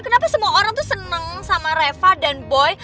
kenapa semua orang tuh seneng sama reva dan boy